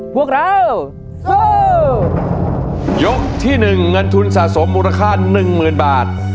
พวกเราสู้ยกที่หนึ่งเงินทุนสะสมมูลค่าหนึ่งหมื่นบาท